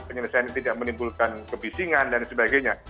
penyelesaian ini tidak menimbulkan kebisingan dan sebagainya